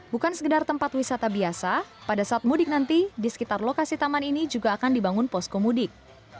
bukan sekedar tempat wisata biasa pada saat mudik nanti di sekitar lokasi taman ini juga akan dibangun poskomudik